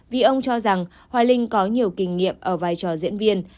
vì ông cho rằng hoài linh có nhiều kinh nghiệm ở vai trò diễn viên